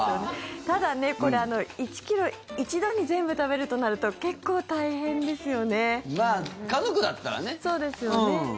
ただ、これ１ｋｇ一度に全部食べるとなるとまあ、家族だったらね。